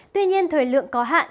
tuy nhiên thời lượng có hạn